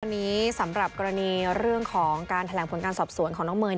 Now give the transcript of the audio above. วันนี้สำหรับกรณีเรื่องของการแถลงผลการสอบสวนของน้องเมย์